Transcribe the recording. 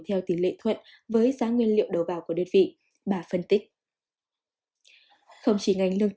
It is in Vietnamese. theo tiến sĩ